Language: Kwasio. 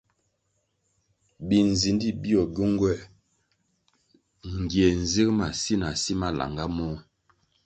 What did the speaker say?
Binzindi bio gywenguer ngie zig si na si malanga môh.